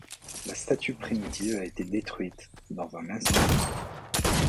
La statue primitive a été détruite dans un incendie.